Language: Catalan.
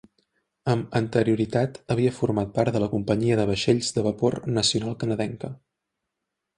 Amb anterioritat havia format part de la Companyia de Vaixells de Vapor Nacional Canadenca.